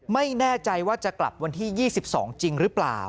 ไม่แน่ใจว่าจะกลับวันที่๒๒จริงหรือเปล่า